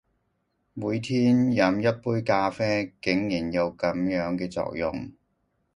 每天飲一杯咖啡，竟然有噉樣嘅作用！